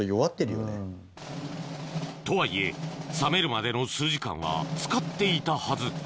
とはいえ冷めるまでの数時間はつかっていたはず